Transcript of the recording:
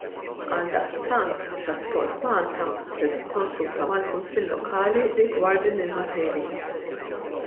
Għaldaqstant, Transport Malta se tikkonsulta mal-Kunsill Lokali rigward din il-materja.